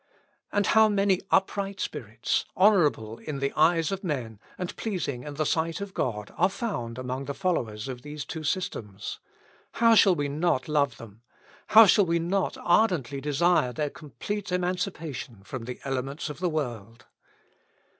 And how many upright spirits, honourable in the eyes of men, and pleasing in the sight of God, are found among the followers of these two systems! How shall we not love them? how shall we not ardently desire their complete emancipation from the elements of the world?